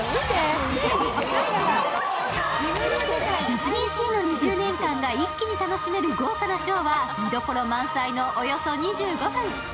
ディズニーシーの２０年間が一気に楽しめる豪華なショーは見どころ満載のおよそ２５分。